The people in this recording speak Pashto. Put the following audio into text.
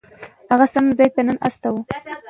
هغه سمڅې ته ننه ایستو.